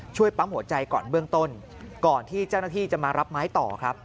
ปั๊มหัวใจก่อนเบื้องต้นก่อนที่เจ้าหน้าที่จะมารับไม้ต่อครับ